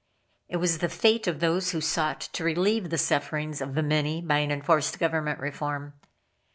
It was the fate of those who sought to relieve the sufferings of the many by an enforced government reform.